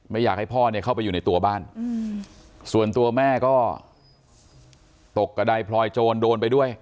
อยากให้พ่อเนี่ยเข้าไปอยู่ในตัวบ้านส่วนตัวแม่ก็ตกกระดายพลอยโจรโดนไปด้วย